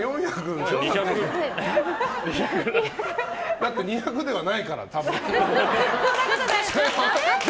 だって２００ではないから多分。